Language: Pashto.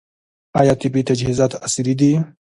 آیا طبي تجهیزات عصري دي؟